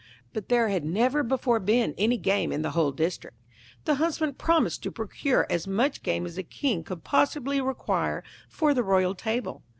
But there had never before been any game in the whole district.' The Huntsman promised to procure as much game as the King could possibly require for the royal table.